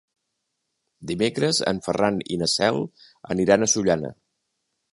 Dimecres en Ferran i na Cel aniran a Sollana.